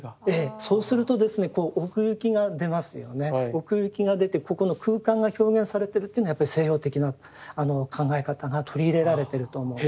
奥行きが出てここの空間が表現されてるっていうのはやっぱり西洋的な考え方が取り入れられてると思うんです。